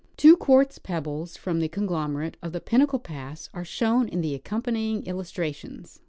Two quartz pebbles from the conglomerate of Pinnacle pass are shown in the accompanying illustrations.